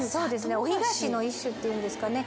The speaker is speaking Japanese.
お干菓子の一種っていうんですかね。